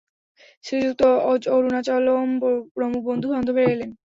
শ্রীযুক্ত অরুণাচলম প্রমুখ বন্ধু-বান্ধবেরা এলেন।